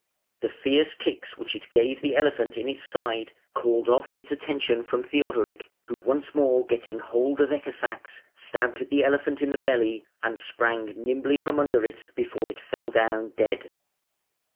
The fierce kicks which it gave the elephant in its side called off its attention from Theodoric, who once more getting hold of Ecke sax, stabbed the elephant in the belly, and sprang nimbly from under it before it fell down dead.